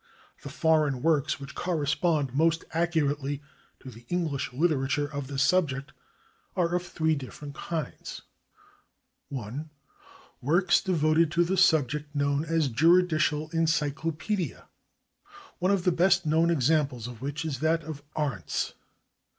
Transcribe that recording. The foreign works which correspond most accurately to the English literature of this subject are of three different kinds :— 1. Works devoted to the subject known as Juridical Encyclopcedia, one of the best known examples of which is that of Arndts.